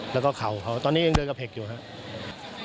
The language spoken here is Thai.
แล้วก็เข่าเพราะว่าตอนนี้ยังเรื่องกระเพ็กอยู่ครับ